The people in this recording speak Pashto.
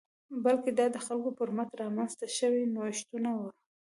بلکې دا د خلکو پر مټ رامنځته شوي نوښتونه وو